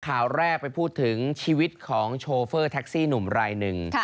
ข่าวแรกไปพูดถึงชีวิตของโชเฟอร์แท็กซี่หนุ่มรายหนึ่ง